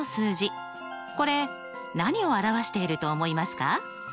これ何を表していると思いますか？